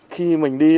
khi mình đi